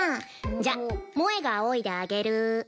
じゃあ萌があおいであげる。